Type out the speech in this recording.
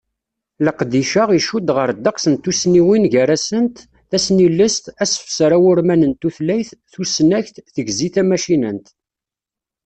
Leqdic-a, icudd ɣer ddeqs n tussniwin gar-asent: Tasnilest, asefser awurman n tultayt, tusnakt, tigzi tamacinant.